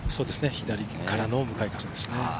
左からの向かい風です。